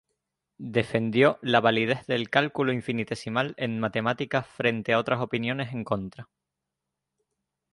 Defendió la validez del cálculo infinitesimal en matemáticas frente a otras opiniones en contra.